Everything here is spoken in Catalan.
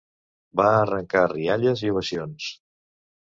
Va arrencar rialles i ovacions.